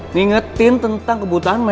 ngingetin tentang kebutaan mel